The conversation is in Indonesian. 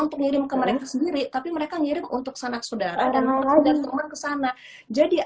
untuk ngirim ke mereka sendiri tapi mereka ngirim untuk sanak saudara dan orang dan teman kesana jadi